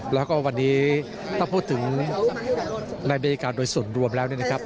แล้วก็วันนี้ต้องพูดถึงรายบรรยากาศโดยส่วนรวมแล้วนะครับ